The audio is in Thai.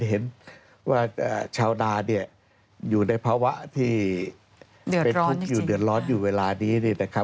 เห็นว่าชาวนาอยู่ในภาวะที่เป็นทุกข์อยู่เดือดร้อนอยู่เวลานี้